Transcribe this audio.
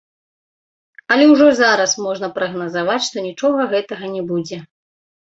Але ўжо зараз можна прагназаваць што нічога гэтага не будзе.